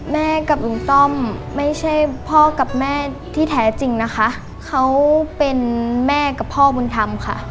แม่กับลุงต้อมไม่ใช่พ่อกับแม่ที่แท้จริงนะคะเขาเป็นแม่กับพ่อบุญธรรมค่ะ